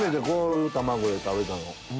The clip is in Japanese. こういう卵で食べたの。